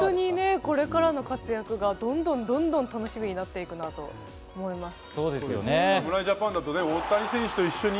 これからの活躍がどんどんと楽しみになっていくなと思います。